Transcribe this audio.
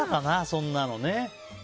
そんなの。